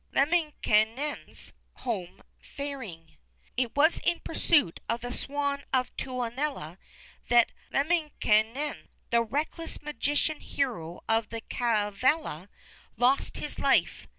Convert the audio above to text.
"LEMMINKAINEN'S HOME FARING "It was in pursuit of the Swan of Tuonela that Lemminkainen, the reckless magician hero of 'The Kalevala,' lost his life.